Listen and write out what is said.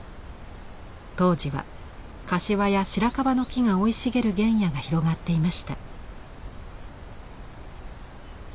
当時は柏や白樺の木が生い茂る原野が広がっていました。